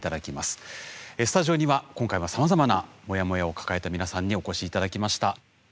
スタジオには今回もさまざまなモヤモヤを抱えた皆さんにお越し頂きました。